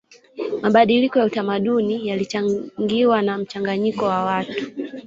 mabadiliko ya utamaduni yalichangiwa na mchanganyiko wa watu